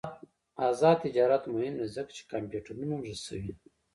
آزاد تجارت مهم دی ځکه چې کمپیوټرونه رسوي.